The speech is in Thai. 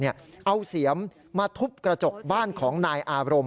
เอาเสียมมาทุบกระจกบ้านของนายอารมณ์